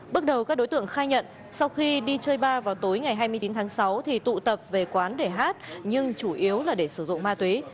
bước đầu các đối tượng khai nhận sau khi đi chơi ba vào tối ngày hai mươi chín tháng sáu thì tụ tập về quán để hát nhưng chủ yếu là để sử dụng ma túy